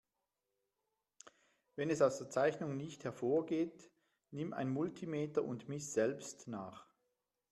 Wenn es aus der Zeichnung nicht hervorgeht, nimm ein Multimeter und miss selbst nach.